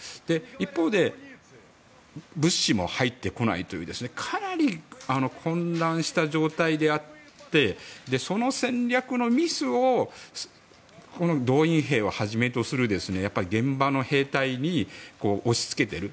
一方で物資も入ってこないというかなり混乱した状態であってその戦略のミスをこの動員兵をはじめとする現場の兵隊に押し付けている。